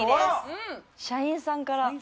社員さんから。